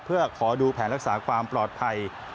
เพื่อขอดูแผนรักษาความปลอดภัย